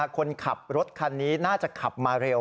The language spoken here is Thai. คนขับรถคันนี้น่าจะขับมาเร็ว